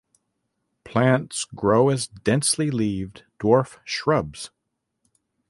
Plants grow as densely leaved dwarf shrubs.